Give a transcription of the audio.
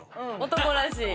男らしい。